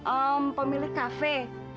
um pemilik kafe